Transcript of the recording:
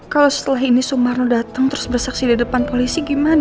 kalau setelah ini sumarno datang terus bersaksi di depan polisi gimana